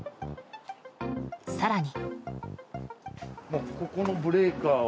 更に。